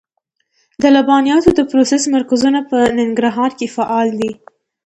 د لبنیاتو د پروسس مرکزونه په ننګرهار کې فعال دي.